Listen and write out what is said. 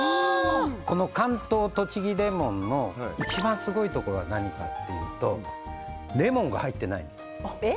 この関東・栃木レモンの一番スゴいとこは何かっていうとレモンが入ってないんですえっ？